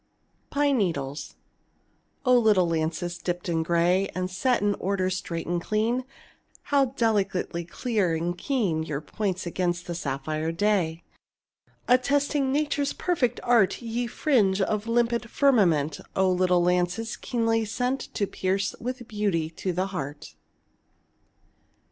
PINE NEEDLES O little lances, dipped in grey, And set in order straight and clean, How delicately clear and keen Your points against the sapphire day! Attesting Nature's perfect art Ye fringe the limpid firmament, O little lances, keenly sent To pierce with beauty to the heart!